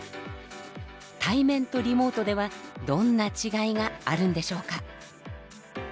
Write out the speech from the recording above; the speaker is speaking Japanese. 対面とリモートではどんな違いがあるんでしょうか。